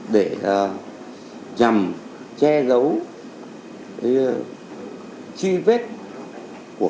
để nhằm che giấu chi vết của cơ quan điều tra đối tượng này là không nghĩa